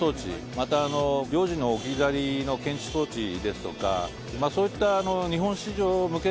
また幼児の置き去りの検知装置ですとか、そういった日本市場向け